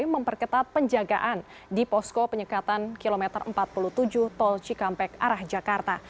memperketat penjagaan di posko penyekatan kilometer empat puluh tujuh tol cikampek arah jakarta